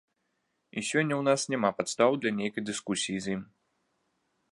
І сёння ў нас няма падстаў для нейкай дыскусіі з ім.